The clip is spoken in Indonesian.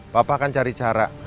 papa akan cari cara